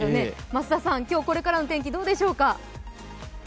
増田さん、今日これからの天気どうでしょうか。